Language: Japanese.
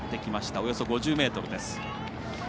およそ５０ｍです。